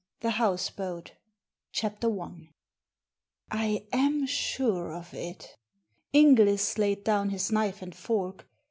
THE HOUSEBOAT CHAPTER L "T AM sure of it!" X Inglis laid down his knife and fork.